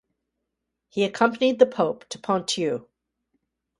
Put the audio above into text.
He accompanied the pope to Ponthieu.